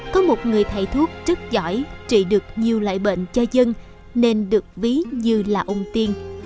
có một người thầy thuốc rất giỏi trị được nhiều loại bệnh cho dân nên được ví như là ông tiên